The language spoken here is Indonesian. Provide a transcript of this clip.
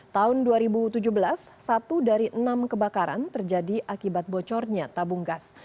tahun dua ribu tujuh belas satu dari enam kebakaran terjadi akibat bocornya tabung gas